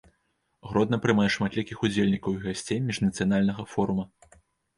Гродна прымае шматлікіх удзельнікаў і гасцей міжнацыянальнага форума.